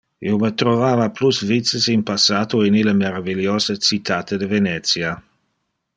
Io me trovava plus vices in passato in ille meraviliose citate de Venetia.